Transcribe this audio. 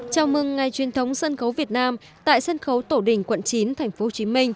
chào mừng ngày truyền thống sân khấu việt nam tại sân khấu tổ đình quận chín tp hcm